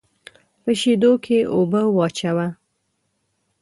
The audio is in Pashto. په شېدو کې اوبه واچوه.